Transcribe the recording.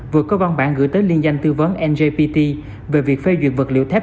vừa có văn bản gửi tới liên danh tư vấn ngpt về việc phê duyệt vật liệu thép